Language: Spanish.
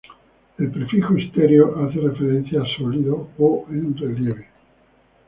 El prefijo estereo- hace referencia a sólido o en relieve.